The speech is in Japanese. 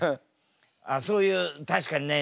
あっそういう確かにね